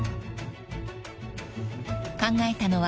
［考えたのは］